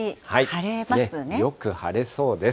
よく晴れそうです。